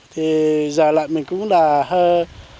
thì giờ lại mình cũng là hơi